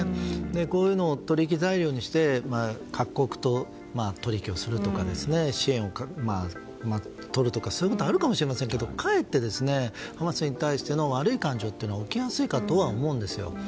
こういうのを取引材料にして各国と取引をするとか支援をとるとか、そういうことはあるかもしれませんがかえってハマスに対しての悪い感情が起きやすいかとは思うんですよ。